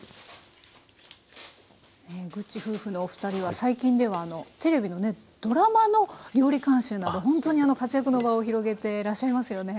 ぐっち夫婦のお二人は最近ではテレビのねドラマの料理監修などほんとに活躍の場を広げてらっしゃいますよね。